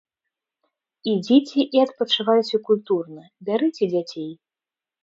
Ідзіце і адпачывайце культурна, бярыце дзяцей.